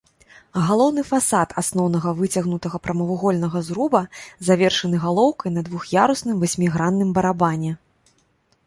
Галоўны фасад асноўнага выцягнутага прамавугольнага зруба завершаны галоўкай на двух'ярусным васьмігранным барабане.